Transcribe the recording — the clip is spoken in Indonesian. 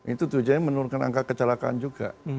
itu tujuannya menurunkan angka kecelakaan juga